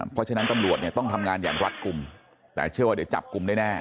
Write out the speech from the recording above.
เพราะฉะนั้นตำรวจเนี่ยต้องทำงานอย่างรัฐกลุ่มแต่เชื่อว่าเดี๋ยวจับกลุ่มได้แน่